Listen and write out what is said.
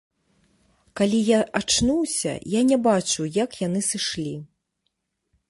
Калі я ачнуўся, я не бачыў як яны сышлі.